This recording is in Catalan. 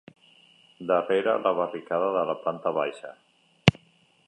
Darrere la barricada de la planta baixa...